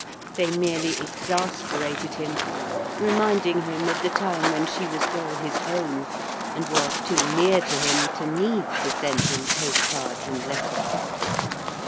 They merely exasperated him, reminding him of the time when she was all his own, and was too near to him to need to send him post cards and letters.